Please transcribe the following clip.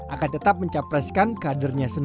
akan tetap mencapreskan